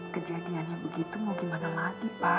kejadiannya begitu mau gimana lagi pak